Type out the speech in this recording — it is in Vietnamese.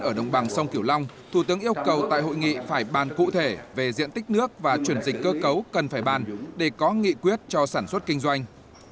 ở đồng bằng sông kiểu long thủ tướng yêu cầu tại hội nghị phải bàn cụ thể về diện tích nước và chuyển dịch cơ cấu cần phải bàn để có nghị quyết cho sản xuất kinh doanh